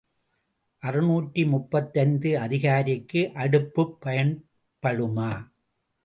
அறுநூற்று முப்பத்தைந்து அதிகாரிக்கு அடுப்புப் பயப்படுமா?